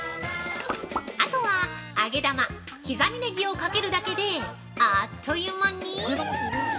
◆あとは、揚げ玉、刻みネギをかけるだけで、あっという間に。